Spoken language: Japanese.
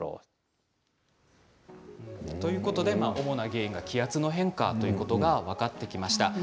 主な原因が気圧の変化ということが分かってきました。